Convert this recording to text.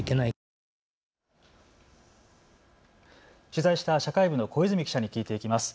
取材した社会部の小泉記者に聞いていきます。